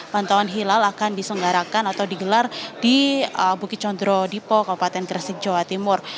pantauan hilal akan diselenggarakan atau digelar di bukit condro dipo kabupaten gresik jawa timur